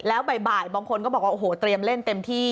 แล้วบ่ายบางคนก็บอกว่าโอ้โหเตรียมเล่นเต็มที่